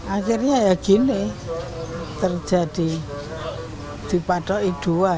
akhirnya begini terjadi dipatok i dua